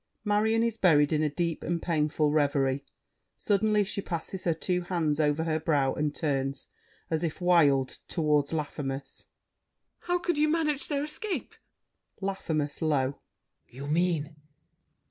[Marion is buried in a deep and painful reverie. Suddenly she passes her two hands over her brow and turns, as if wild, toward Laffemas. MARION. How could you manage their escape? LAFFEMAS (low). You mean?